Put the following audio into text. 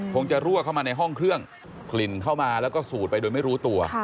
คงจะรั่วเข้ามาในห้องเครื่องกลิ่นเข้ามาแล้วก็สูดไปโดยไม่รู้ตัว